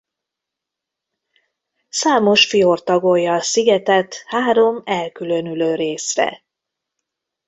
Számos fjord tagolja a szigetet három elkülönülő részre.